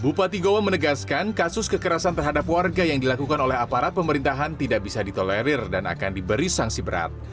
bupati goa menegaskan kasus kekerasan terhadap warga yang dilakukan oleh aparat pemerintahan tidak bisa ditolerir dan akan diberi sanksi berat